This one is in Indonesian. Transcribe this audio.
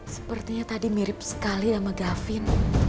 sepertinya tadi mirip sekali sama gavin